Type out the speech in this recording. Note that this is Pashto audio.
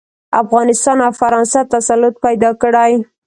افغانستان او فرانسه تسلط پیدا کړي.